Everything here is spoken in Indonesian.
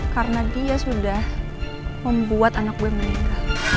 karena dia sudah membuat anak gue meninggal